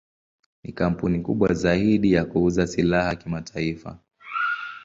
Ni kampuni kubwa zaidi ya kuuza silaha kimataifa.